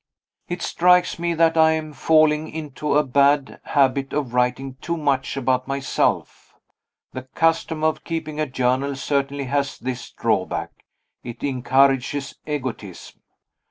It strikes me that I am falling into a bad habit of writing too much about myself. The custom of keeping a journal certainly has this drawback it encourages egotism.